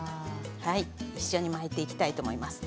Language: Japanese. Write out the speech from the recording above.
一緒に巻いていきたいと思います。